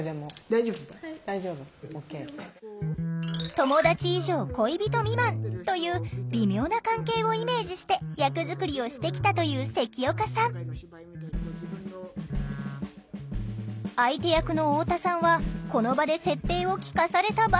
友達以上恋人未満という微妙な関係をイメージして役作りをしてきたという関岡さん相手役の太田さんはこの場で設定を聞かされたばかり。